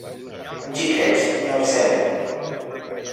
Amb xiquets, ni al cel.